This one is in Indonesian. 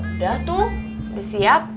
udah tuh udah siap